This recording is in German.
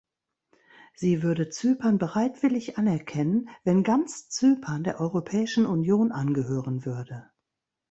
Sie würde Zypern bereitwillig anerkennen, wenn ganz Zypern der Europäischen Union angehören würde.